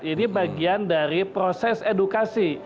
ini bagian dari proses edukasi